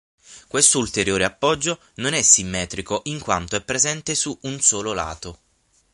Questo ulteriore appoggio non è simmetrico in quanto è presente su un solo lato.